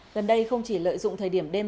gần đây không chỉ lợi dụng thời điểm đêm